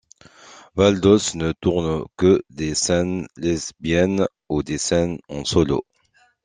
Val Dodds ne tourne que des scènes lesbiennes ou des scènes en solo.